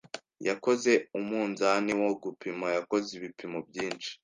Yakoze umunzani wo gupimaYakoze ibipimo byinshi